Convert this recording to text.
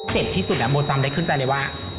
ที่สุดโมจำได้ขึ้นใจเลยว่า